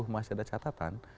masih ada catatan